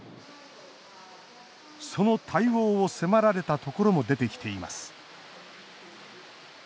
その対応を迫られたところも出てきています。